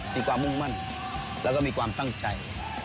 มีความมุ่งมั่นแล้วก็มีความตั้งใจ